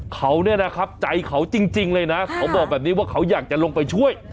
เขาเนี่ยนะครับใจเขาจริงเลยนะเขาบอกแบบนี้ว่าเขาอยากจะลงไปช่วย